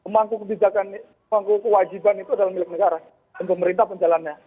memang kewajiban itu adalah milik negara dan pemerintah penjalannya